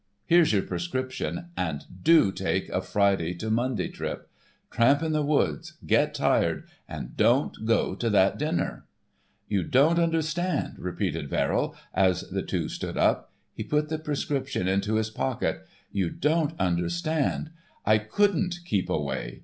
Here's your prescription, and do take a Friday to Monday trip. Tramp in the woods, get tired, and don't go to that dinner!" "You don't understand," repeated Verrill, as the two stood up. He put the prescription into his pocket book. "You don't understand. I couldn't keep away.